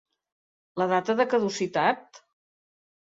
La data de caducitat?